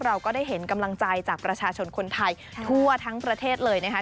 เราก็ได้เห็นกำลังใจจากประชาชนคนไทยทั่วทั้งประเทศเลยนะคะ